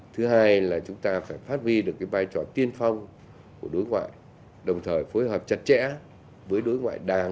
thứ hai là chúng ta phải phát huy được vai trò tiên phong của đối ngoại đồng thời phối hợp chặt chẽ với đối ngoại đảng